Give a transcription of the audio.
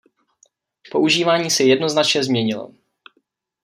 Používání se jednoznačně změnilo.